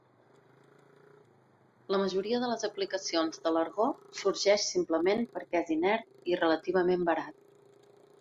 La majoria de les aplicacions de l'argó sorgeix simplement perquè és inert i relativament barat.